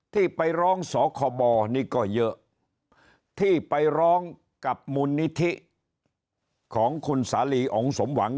ที่ไปร้องสคบนี่ก็เยอะที่ไปร้องกับมูลนิธิของคุณสาลีองค์สมหวัง